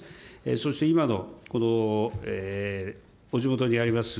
そして今のこのお地元にあります